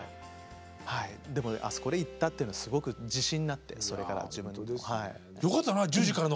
はいでもあそこで行ったというのはすごく自信になってそれから自分の。